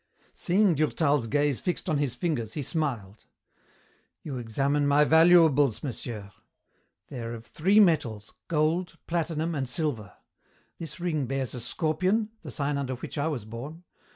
Seeing Durtal's gaze fixed on his fingers, he smiled. "You examine my valuables, monsieur. They are of three metals, gold, platinum, and silver. This ring bears a scorpion, the sign under which I was born.